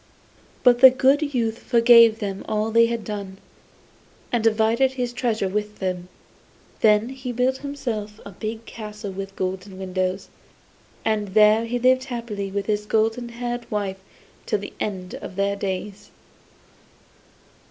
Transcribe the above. But the good youth forgave them all they had done, and divided his treasures with them. Then he built himself a big castle with golden windows, and there he lived happily with his golden haired wife till the end of their lives.